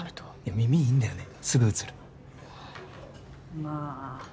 耳いいんだよねすぐうつるまあ